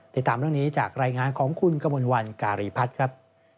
ติดตามเรื่องนี้จากรายงานของคุณกมลวันการีพัฒน์ครับ